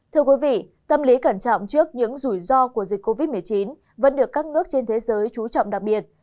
thưa quý vị tâm lý cẩn trọng trước những rủi ro của dịch covid một mươi chín vẫn được các nước trên thế giới trú trọng đặc biệt